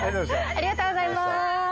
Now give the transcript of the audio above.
ありがとうございます。